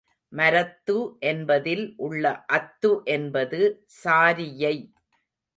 மரத்து என்பதில் உள்ள அத்து என்பது சாரியை.